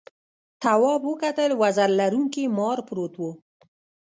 تواب وکتل وزر لرونکي مار پروت و.